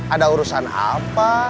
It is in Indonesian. ada urusan apa